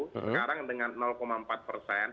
sekarang dengan empat persen